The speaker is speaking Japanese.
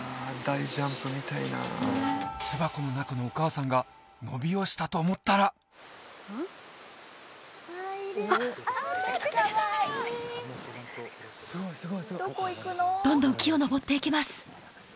大ジャンプ見たいな巣箱の中のお母さんが伸びをしたと思ったらあっ出てきた出てきたすごいすごいすごいどんどん木を登っていきます